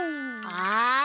あ！